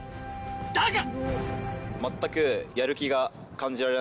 だが！